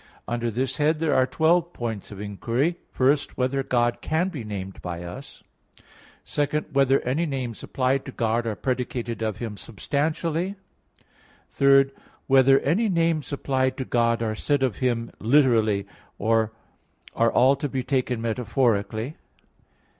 Under this head, there are twelve points for inquiry: (1) Whether God can be named by us? (2) Whether any names applied to God are predicated of Him substantially? (3) Whether any names applied to God are said of Him literally, or are all to be taken metaphorically?